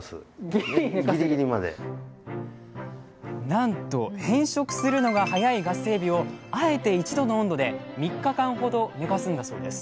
なんと変色するのが早いガスエビをあえて１度の温度で３日間ほど寝かすんだそうです